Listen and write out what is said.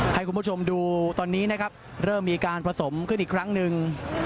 ให้คุณผู้ชมดูตอนนี้นะครับเริ่มมีการผสมขึ้นอีกครั้งหนึ่ง